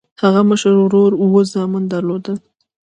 هغه مشر ورور اووه زامن درلودل.